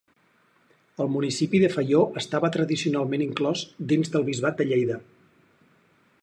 El municipi de Faió estava tradicionalment inclòs dins del Bisbat de Lleida.